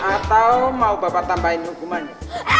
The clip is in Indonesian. atau mau bapak tambahin hukumannya